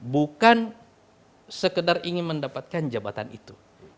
bukan sekedar ingin mendapatkan jabatan itu